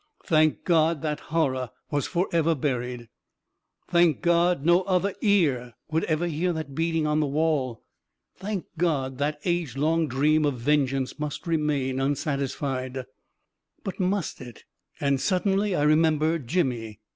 Thank God that horror was forever buried; thank God no other ear would 372 A KING IN BABYLON 373 ever hear that beating on the wall ; thank God that age long dream of vengeance must remain unsatis fied ••. But must it! And suddenly I remembered Jimmy.